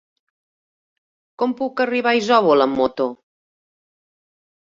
Com puc arribar a Isòvol amb moto?